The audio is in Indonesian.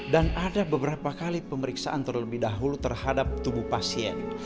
dan ada beberapa kali pemeriksaan terlebih dahulu terhadap tubuh pasien